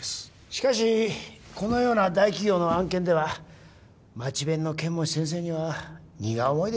しかしこのような大企業の案件では町弁の剣持先生には荷が重いでしょう。